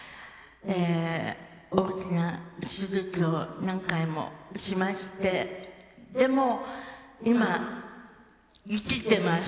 大きな手術を何回もしまして、でも今、生きてます。